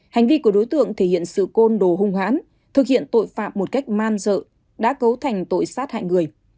hành vi của đối tượng thể hiện sự côn đồ hung hãn thực hiện tội phạm một cách man dợ đã cấu thành tội sát hại người